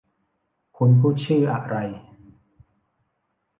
คุณพูดชื่ออะไร